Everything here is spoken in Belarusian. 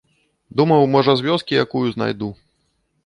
Думаў, можа, з вёскі якую знайду.